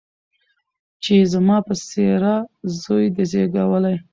چي یې زما په څېره زوی دی زېږولی